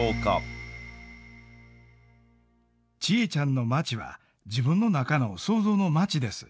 チエちゃんの町は自分の中の想像の町です。